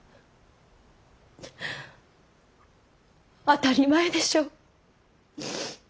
当たり前でしょう。